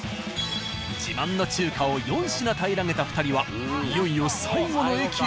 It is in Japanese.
自慢の中華を４品平らげた２人はいよいよ最後の駅へ。